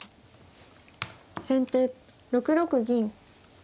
先手６六銀。